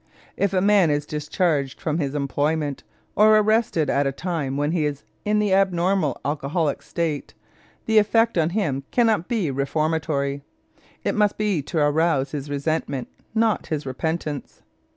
If a man is discharged from his employment or arrested at a time when he is in the abnormal alcoholic state, the effect on him cannot be reformatory; it must be to arouse his resentment, not his repentance.